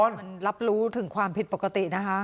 มันรับรู้ถึงความผิดปกตินะคะ